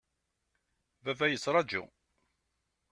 Baba yettraju.